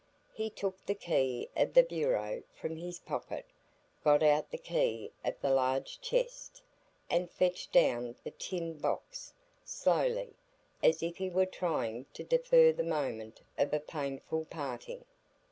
He took the key of the bureau from his pocket, got out the key of the large chest, and fetched down the tin box,—slowly, as if he were trying to defer the moment of a painful parting.